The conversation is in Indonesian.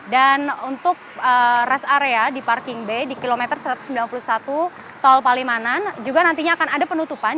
dan untuk rest area di parking bay di kilometer satu ratus sembilan puluh satu tol palimanan juga nantinya akan ada penutupan